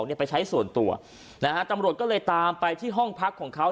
เนี่ยไปใช้ส่วนตัวนะฮะตำรวจก็เลยตามไปที่ห้องพักของเขา